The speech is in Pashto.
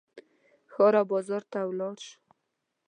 ښار او بازار ته ولاړ شو.